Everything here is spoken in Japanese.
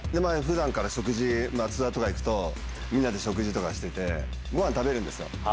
ふだんから食事、ツアーとか行くと、みんなで食事とかしてて、ごはん食べるんですよ。